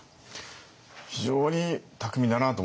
非常に巧みだなと思いましたね。